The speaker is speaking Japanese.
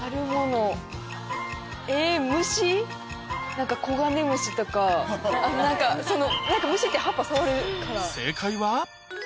何かコガネムシとかその虫って葉っぱ触るから。